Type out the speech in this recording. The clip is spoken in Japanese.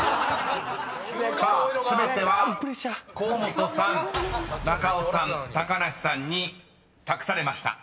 ［さあ全ては甲本さん中尾さん高梨さんに託されました。